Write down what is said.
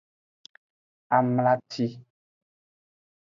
Amlaci.